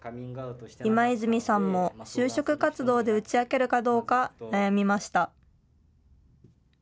今泉さんも就職活動で打ち明けるかどうか悩みました。